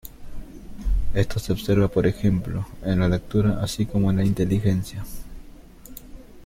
Esto se observa, por ejemplo, en la lectura, así como en la inteligencia.